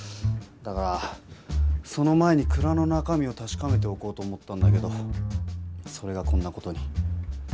だからその前に蔵の中身をたしかめておこうと思ったんだけどそれがこんな事に。